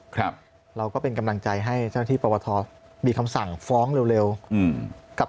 ครับเราก็เป็นกำลังใจให้เจ้าที่ปพมีคำสั่งฟ้องเร็วกับ